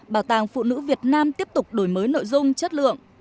bảo tàng phụ nữ việt nam tiếp tục đổi mới nội dung chất lượng